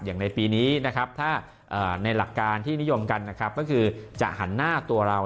อย่างในปีนี้นะครับถ้าในหลักการที่นิยมกันนะครับก็คือจะหันหน้าตัวเรา